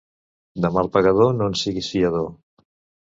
De mal pagador no en siguis fiador.